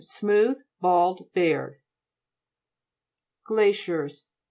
Smooth, bald, bare. GIA'CIERS Fr.